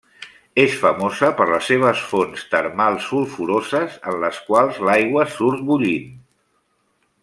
És famosa per les seves fonts termals sulfuroses en les quals l'aigua surt bullint.